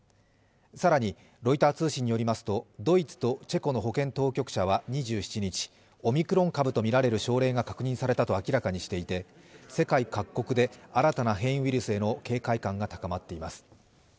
更にロイター通信によりますとドイツとチェコの保健当局者は２７日、オミクロン株とみられる症例が確認されたと明らかにしていて、世界各国で新たな変異ウイルスへの警戒感が高まっています。